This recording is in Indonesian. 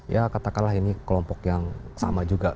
ya katakanlah ini kelompok yang sama juga